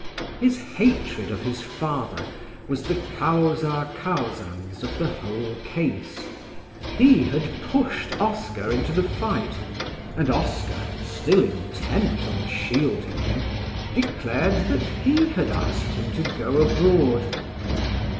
His hatred of his father was the causa causans of the whole case; he had pushed Oscar into the fight and Oscar, still intent on shielding him, declared that he had asked him to go abroad.